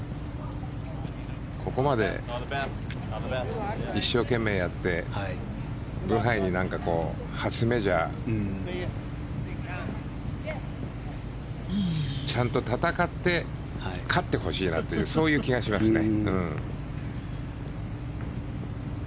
ここまで一生懸命やってブハイに初メジャーちゃんと戦って勝ってほしいなというそういう気がしますね。